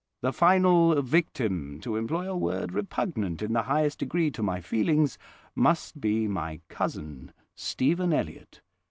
The final 'victim'—to employ a word repugnant in the highest degree to my feelings—must be my cousin, Stephen Elliott.